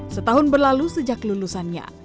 setahun berlalu sejak lulusannya